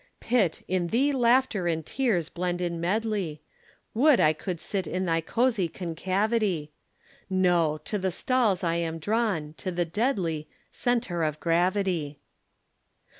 Pit, in thee laughter and tears blend in medley Would I could sit in thy cozy concavity! No! to the stalls I am drawn, to the deadly Centre of gravity.